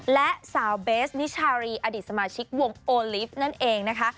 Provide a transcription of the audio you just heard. และสาวเบสนิชารีอดีตสมาชิกวงโอลิฟต์นั่นเองนะคะ